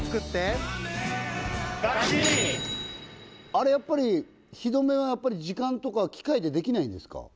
あれやっぱり火止めは時間とか機械でできないんですか？